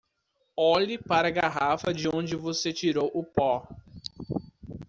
Olhe para a garrafa de onde você tirou o pó.